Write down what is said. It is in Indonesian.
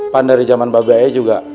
pak dari jaman babi ayah juga